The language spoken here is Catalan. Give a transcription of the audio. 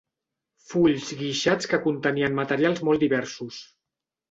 Fulls guixats que contenien materials molt diversos.